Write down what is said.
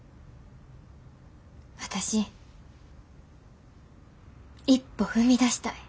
私一歩踏み出したい。